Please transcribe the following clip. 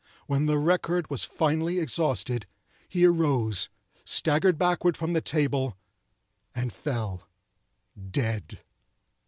When the record was finally exhausted, he arose, staggered backward from the table, and fell—dead.